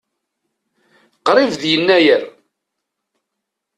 Qrib d Yennayer.